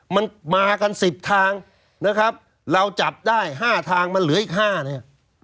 มันมากัน๑๐ทางนะครับเราจับได้๕ทางมันเหลืออีก๕เนี่ย